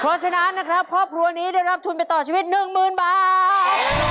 เพราะฉะนั้นนะครับครอบครัวนี้ได้รับทุนไปต่อชีวิต๑๐๐๐บาท